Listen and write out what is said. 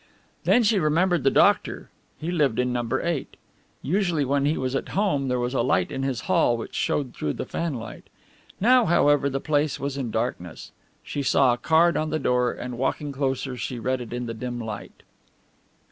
Then she remembered the doctor, he lived in No. 8. Usually when he was at home there was a light in his hall which showed through the fanlight. Now, however, the place was in darkness. She saw a card on the door and walking closer she read it in the dim light.